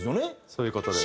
そういう事です。